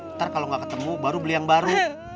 nanti kalau enggak ketemu baru beli yang baru